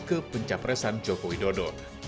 ke pencapresan joko widodo